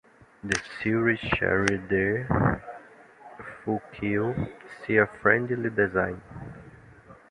The series share their full keel, sea friendly design.